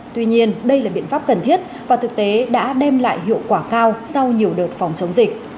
tuy nhiên đây là biện pháp cần thiết và thực tế đã đem lại hiệu quả cao sau nhiều đợt phòng chống dịch